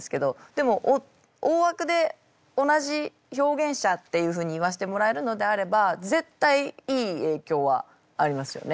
でも大枠で同じ表現者っていうふうに言わせてもらえるのであれば絶対いい影響はありますよね。